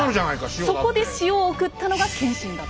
そこで塩を送ったのが謙信だった。